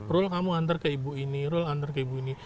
rule kamu antar ke ibu ini rule antar ke ibu ini